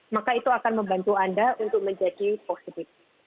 maka itu akan membantu anda untuk menjadi positif